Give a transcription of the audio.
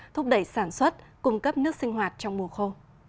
thúc đẩy sản xuất cung cấp nước sinh hoạt trong mùa khô